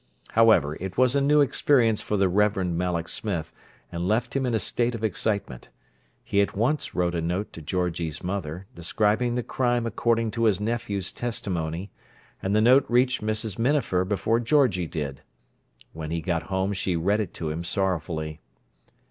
However, it was a new experience for the Reverend Malloch Smith, and left him in a state of excitement. He at once wrote a note to Georgie's mother, describing the crime according to his nephew's testimony; and the note reached Mrs. Minafer before Georgie did. When he got home she read it to him sorrowfully.